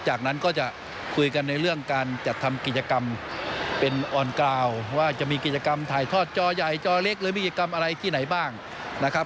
จากนั้นก็จะคุยกันในเรื่องการจัดทำกิจกรรมเป็นออนกราวว่าจะมีกิจกรรมถ่ายทอดจอใหญ่จอเล็กหรือมีกิจกรรมอะไรที่ไหนบ้างนะครับ